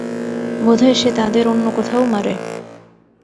বোধহয় সে তাদের অন্য কোথাও মারে।